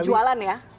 untuk jualan ya